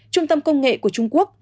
trung tâm công nghệ của trung quốc